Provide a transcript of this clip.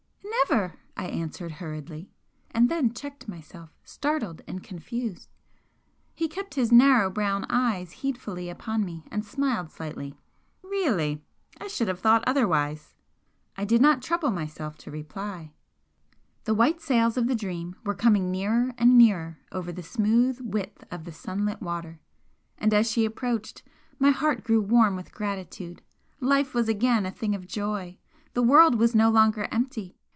"Never!" I answered, hurriedly, and then checked myself, startled and confused. He kept his narrow brown eyes heedfully upon me and smiled slightly. "Really! I should have thought otherwise!" I did not trouble myself to reply. The white sails of the 'Dream' were coming nearer and nearer over the smooth width of the sunlit water, and as she approached my heart grew warm with gratitude. Life was again a thing of joy! the world was no longer empty!